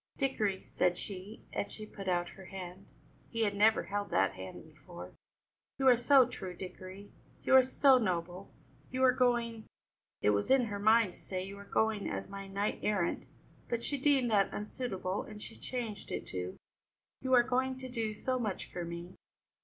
"Dickory," said she, and she put out her hand he had never held that hand before "you are so true, Dickory, you are so noble; you are going " it was in her mind to say "you are going as my knight errant," but she deemed that unsuitable, and she changed it to "you are going to do so much for me."